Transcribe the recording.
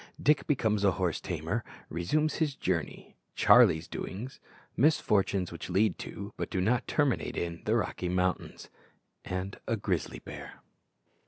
_Dick becomes a horse tamer Resumes his journey Charlie's doings Misfortunes which lead to, but do not terminate in, the Rocky Mountains A grizzly bear_.